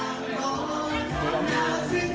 จากประธานสโมงศรอย่างมดรแป้งคุณดนทันร่ำ๓ครับ